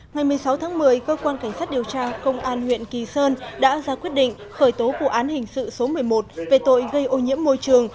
ngày một mươi sáu tháng một mươi cơ quan cảnh sát điều tra công an huyện kỳ sơn đã ra quyết định khởi tố vụ án hình sự số một mươi một về tội gây ô nhiễm môi trường